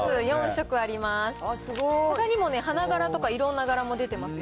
４色あります。